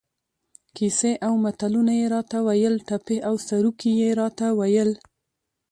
کیسې او متلونه یې را ته ویل، ټپې او سروکي یې را ته ویل.